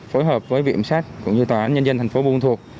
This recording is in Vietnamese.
phối hợp với viện sát cũng như tòa án nhân dân thành phố buôn ma thuột